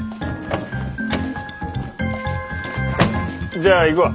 じゃあ行くわ。